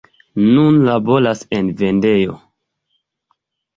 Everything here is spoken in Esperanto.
Nun laboras en vendejo.